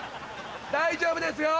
大丈夫ですよ。